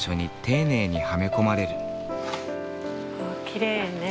きれいね。